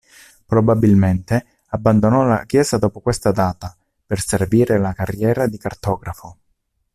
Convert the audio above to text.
Probabilmente abbandonò la chiesa dopo questa data per seguire la carriera di cartografo.